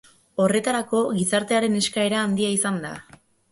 Horretarako gizartearen eskaera handia izan da.